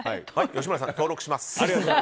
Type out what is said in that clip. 吉村さん、登録します。